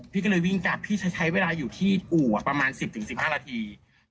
พี่ก็เลยวิ่งกลับพี่ใช้เวลาอยู่ที่อู่ประมาณ๑๐๑๕นาที